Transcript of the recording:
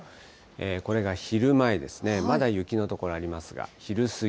これが昼前ですね、まだ雪の所ありますが、昼過ぎ。